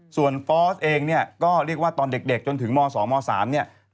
ส่วนฟอร์สเองเนี่ยก็เรียกว่าตอนเด็กจนถึงม๒ม๓เนี่ย